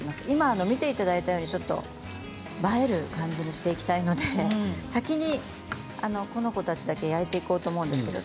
今、見ていただいたように映える感じにしていきたいので先にこの子たちだけ焼いていこうと思います。